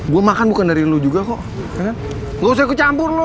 gue makan bukan dari lu juga kok nggak usah ikut campur lu